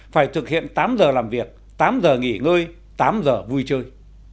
phải thực hiện tám giờ làm việc tám giờ nghỉ ngơi tám giờ vui chơi